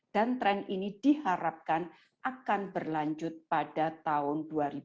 dan tren ini diharapkan akan berlanjut pada tahun dua ribu dua puluh dua